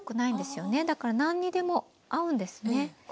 だから何にでも合うんですね。